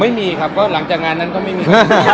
ไม่มีครับก็หลังจากงานนั้นก็ไม่มี